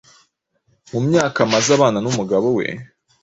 mu myaka amaze abana n’umugabo we